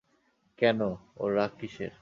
কেন, ওর রাগ কিসের?